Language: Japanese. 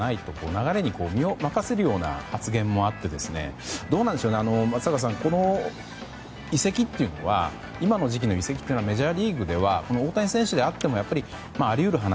流れに身を任せるような発言もあってどうなんでしょう、松坂さん今の時期の移籍はメジャーリーグでは大谷選手であってもあり得る話